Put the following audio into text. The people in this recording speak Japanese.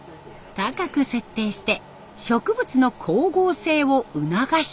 高く設定して植物の光合成を促しています。